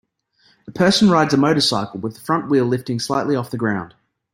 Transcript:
A person rides a motorcycle, with the front wheel lifting slightly off the ground.